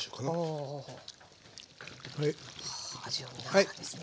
味を見ながらですね。